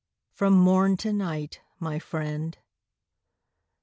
From morn to night, my friend.